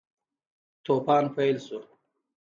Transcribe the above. توپان پیل شو.